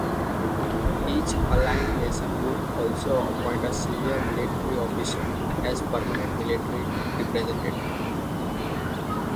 Each Allied nation would also appoint a senior military officer as Permanent Military Representative.